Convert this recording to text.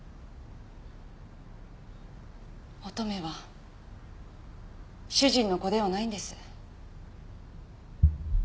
乙女は主人の子ではないんです。